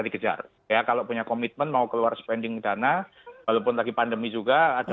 dikejar ya kalau punya komitmen mau keluar spending dana walaupun lagi pandemi juga ada